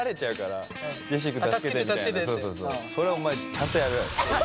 それはお前ちゃんとやれよ。